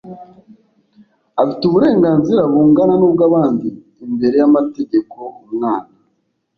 afite uburenganzira bungana n'ubw'abandi imbere y'amategeko. umwana